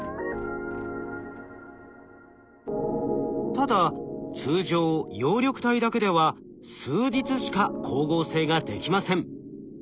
ただ通常葉緑体だけでは数日しか光合成ができません。